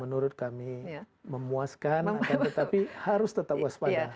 menurut kami memuaskan tetapi harus tetap waspada